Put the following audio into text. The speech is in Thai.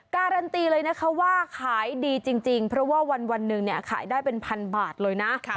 การันตีเลยนะคะว่าขายดีจริงเพราะว่าวันหนึ่งเนี่ยขายได้เป็นพันบาทเลยนะ